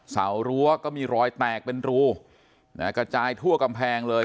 สารั้วก็มีรอยแตกเป็นรูนะฮะกระจายทั่วกำแพงเลย